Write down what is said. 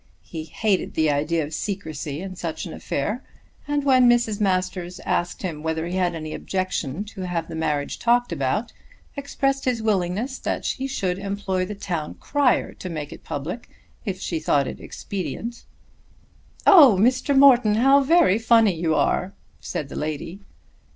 He hated the idea of secrecy in such an affair, and when Mrs. Masters asked him whether he had any objection to have the marriage talked about, expressed his willingness that she should employ the town crier to make it public if she thought it expedient. "Oh, Mr. Morton, how very funny you are," said the lady.